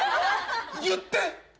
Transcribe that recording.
言って！